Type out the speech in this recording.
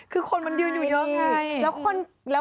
คือคนมันยืนอยู่เยอะไง